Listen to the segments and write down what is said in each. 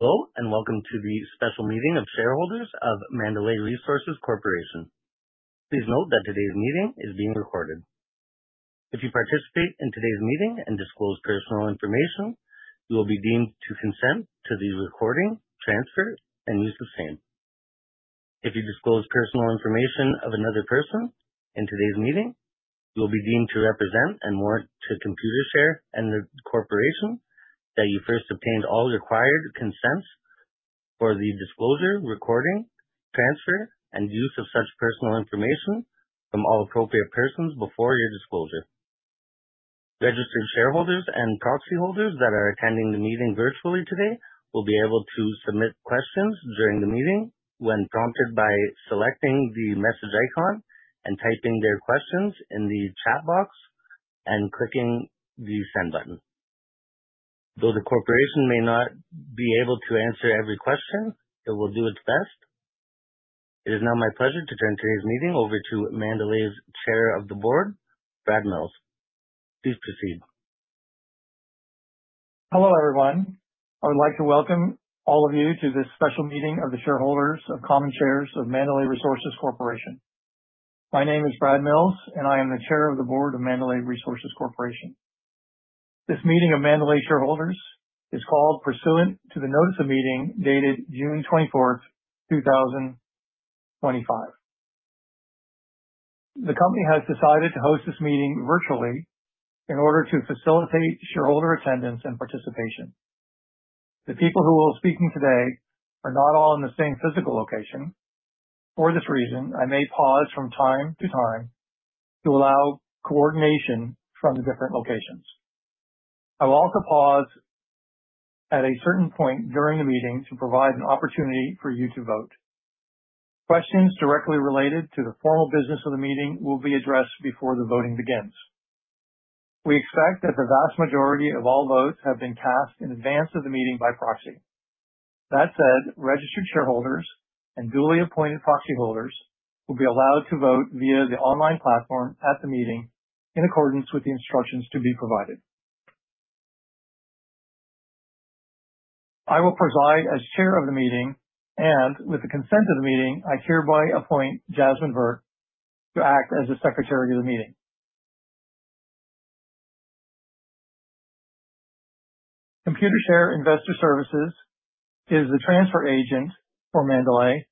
Hello, welcome to the special meeting of shareholders of Mandalay Resources Corporation. Please note that today's meeting is being recorded. If you participate in today's meeting and disclose personal information, you will be deemed to consent to the recording, transfer, and use of same. If you disclose personal information of another person in today's meeting, you will be deemed to represent and warrant to Computershare and the corporation that you first obtained all required consents for the disclosure, recording, transfer, and use of such personal information from all appropriate persons before your disclosure. Registered shareholders and proxy holders that are attending the meeting virtually today will be able to submit questions during the meeting when prompted by selecting the message icon and typing their questions in the chat box and clicking the send button. Though the corporation may not be able to answer every question, it will do its best. It is now my pleasure to turn today's meeting over to Mandalay's Chair of the Board, Brad Mills. Please proceed. Hello, everyone. I would like to welcome all of you to this special meeting of the shareholders of common shares of Mandalay Resources Corporation. My name is Brad Mills, and I am the Chair of the Board of Mandalay Resources Corporation. This meeting of Mandalay shareholders is called pursuant to the notice of meeting dated June 24, 2025. The company has decided to host this meeting virtually in order to facilitate shareholder attendance and participation. The people who will be speaking today are not all in the same physical location. For this reason, I may pause from time to time to allow coordination from the different locations. I will also pause at a certain point during the meeting to provide an opportunity for you to vote. Questions directly related to the formal business of the meeting will be addressed before the voting begins. We expect that the vast majority of all votes have been cast in advance of the meeting by proxy. That said, registered shareholders and duly appointed proxy holders will be allowed to vote via the online platform at the meeting in accordance with the instructions to be provided. I will preside as chair of the meeting, and with the consent of the meeting, I hereby appoint Jasmine Virk to act as the secretary of the meeting. Computershare Investor Services is the transfer agent for Mandalay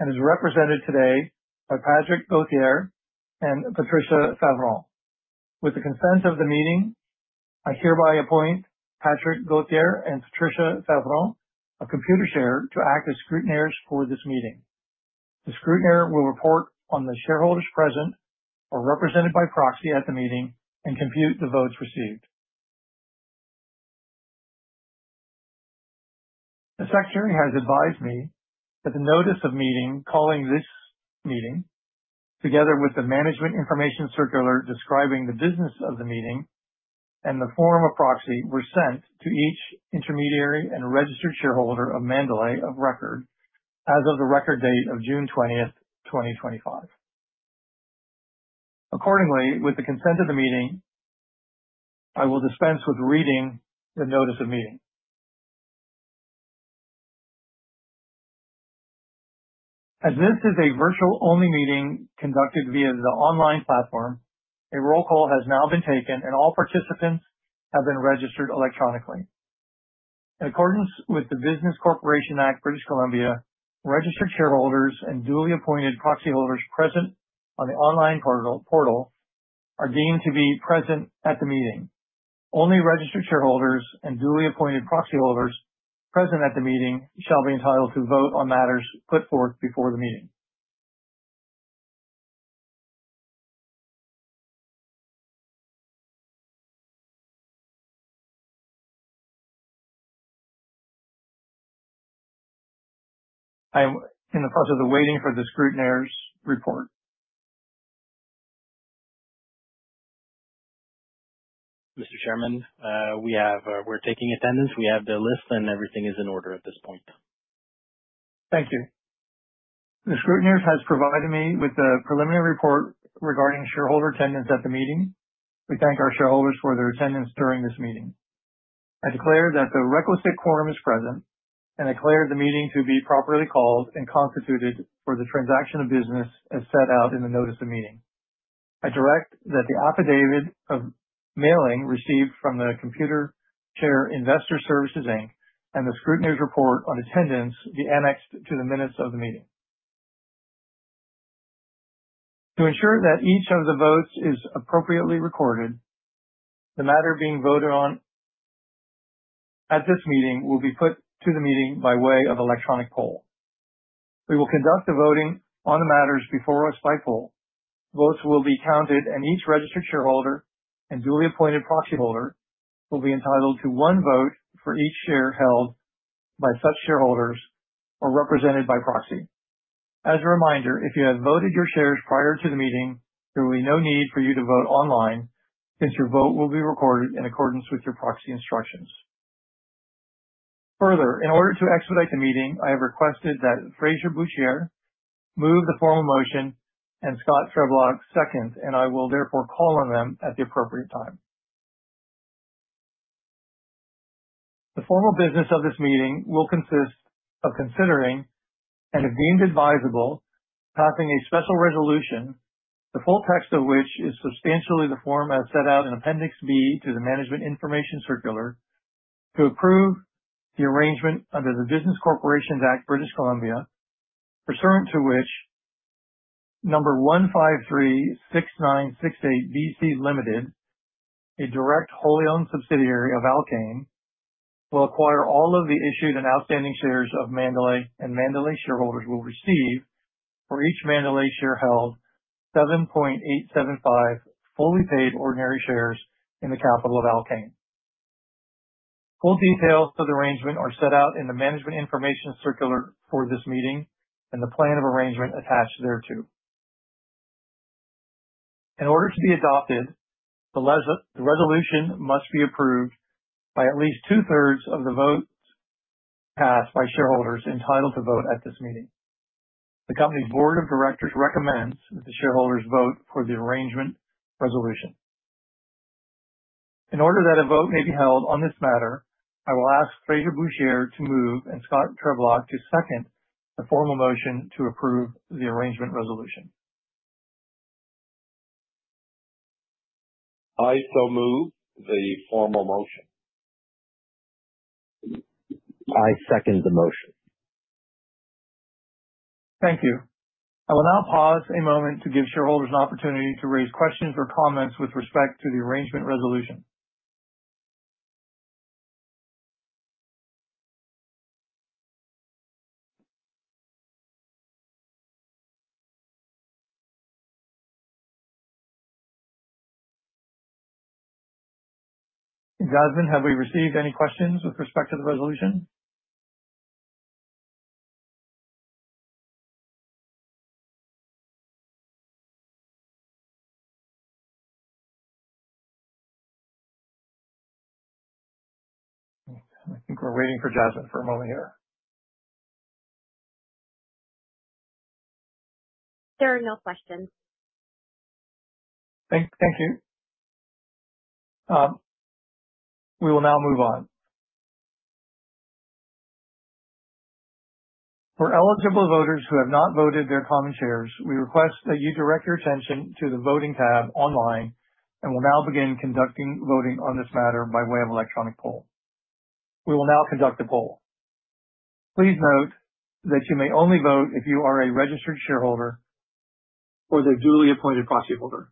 and is represented today by Patrick Gauthier and Patricia Favron. With the consent of the meeting, I hereby appoint Patrick Gauthier and Patricia Favron of Computershare to act as scrutineers for this meeting. The scrutineer will report on the shareholders present or represented by proxy at the meeting and compute the votes received. The secretary has advised me that the notice of meeting calling this meeting, together with the management information circular describing the business of the meeting, and the form of proxy were sent to each intermediary and registered shareholder of Mandalay of record as of the record date of June 20, 2025. Accordingly, with the consent of the meeting, I will dispense with reading the notice of meeting. As this is a virtual-only meeting conducted via the online platform, a roll call has now been taken, and all participants have been registered electronically. In accordance with the Business Corporations Act (British Columbia), registered shareholders and duly appointed proxy holders present on the online portal are deemed to be present at the meeting. Only registered shareholders and duly appointed proxy holders present at the meeting shall be entitled to vote on matters put forth before the meeting. I am in the process of waiting for the scrutineers' report. Mr. Chairman, we're taking attendance. We have the list, and everything is in order at this point. Thank you. The scrutineers has provided me with the preliminary report regarding shareholder attendance at the meeting. We thank our shareholders for their attendance during this meeting. I declare that the requisite quorum is present and declare the meeting to be properly called and constituted for the transaction of business as set out in the notice of meeting. I direct that the affidavit of mailing received from the Computershare Investor Services Inc and the scrutineers' report on attendance be annexed to the minutes of the meeting. To ensure that each of the votes is appropriately recorded, the matter being voted on at this meeting will be put to the meeting by way of electronic poll. We will conduct the voting on the matters before us by poll. Votes will be counted, and each registered shareholder and duly appointed proxy holder will be entitled to one vote for each share held by such shareholders or represented by proxy. As a reminder, if you have voted your shares prior to the meeting, there will be no need for you to vote online since your vote will be recorded in accordance with your proxy instructions. Further, in order to expedite the meeting, I have requested that Frazer Bourchier move the formal motion and Scott Trebilcock second, and I will therefore call on them at the appropriate time. The formal business of this meeting will consist of considering, and if deemed advisable, passing a special resolution, the full text of which is substantially the form as set out in Appendix B to the management information circular to approve the arrangement under the Business Corporations Act (British Columbia), pursuant to which 1536968 B.C. Ltd, a direct wholly owned subsidiary of Alkane, will acquire all of the issued and outstanding shares of Mandalay, and Mandalay shareholders will receive, for each Mandalay share held, 7.875 fully paid ordinary shares in the capital of Alkane. Full details of the arrangement are set out in the management information circular for this meeting, and the plan of arrangement attached thereto. In order to be adopted, the resolution must be approved by at least 2/3 of the votes cast by shareholders entitled to vote at this meeting. The company's board of directors recommends that the shareholders vote for the arrangement resolution. In order that a vote may be held on this matter, I will ask Frazer Bourchier to move and Scott Trebilcock to second the formal motion to approve the arrangement resolution. I so move the formal motion. I second the motion. Thank you. I will now pause a moment to give shareholders an opportunity to raise questions or comments with respect to the arrangement resolution. Jasmine, have we received any questions with respect to the resolution? I think we're waiting for Jasmine for a moment here. There are no questions. Thank you. We will now move on. For eligible voters who have not voted their common shares, we request that you direct your attention to the Voting tab online, and we'll now begin conducting voting on this matter by way of electronic poll. We will now conduct a poll. Please note that you may only vote if you are a registered shareholder or the duly appointed proxyholder.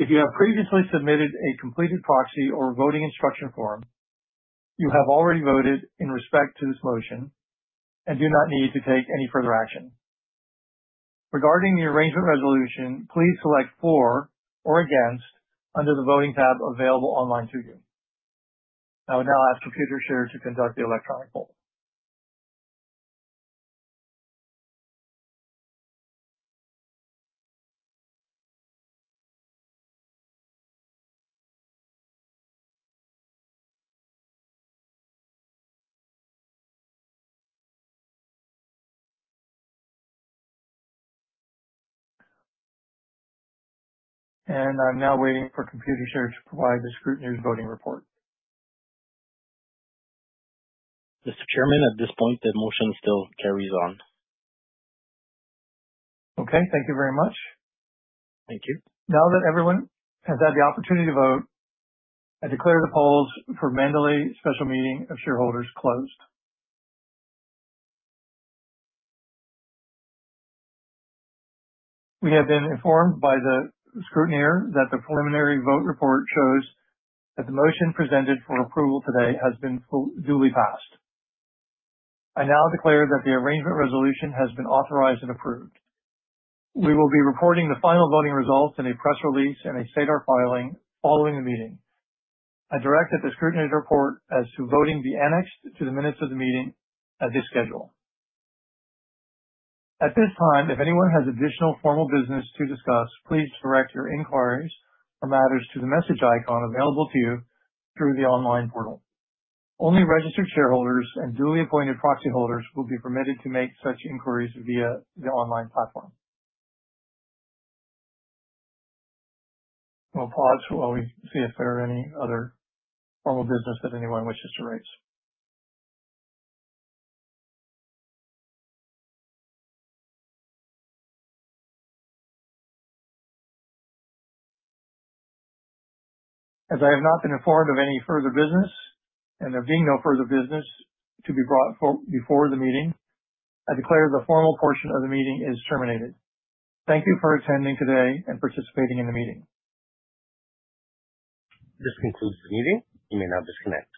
If you have previously submitted a completed proxy or voting instruction form, you have already voted in respect to this motion and do not need to take any further action. Regarding the arrangement resolution, please select For or Against under the Voting tab available online to you. I would now ask Computershare to conduct the electronic poll. I'm now waiting for Computershare to provide the scrutineer's voting report. Mr. Chairman, at this point, the motion still carries on. Okay. Thank you very much. Thank you. Now that everyone has had the opportunity to vote, I declare the polls for Mandalay special meeting of shareholders closed. We have been informed by the scrutineer that the preliminary vote report shows that the motion presented for approval today has been duly passed. I now declare that the arrangement resolution has been authorized and approved. We will be reporting the final voting results in a press release and a SEDAR filing following the meeting. I direct that the scrutineer's report as to voting be annexed to the minutes of the meeting as is schedule. At this time, if anyone has additional formal business to discuss, please direct your inquiries or matters to the message icon available to you through the online portal. Only registered shareholders and duly appointed proxyholders will be permitted to make such inquiries via the online platform. We'll pause while we see if there are any other formal business that anyone wishes to raise. As I have not been informed of any further business and there being no further business to be brought before the meeting, I declare the formal portion of the meeting is terminated. Thank you for attending today and participating in the meeting. This concludes the meeting. You may now disconnect.